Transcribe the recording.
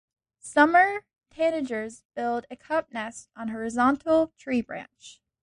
Summer tanagers build a cup nest on a horizontal tree branch.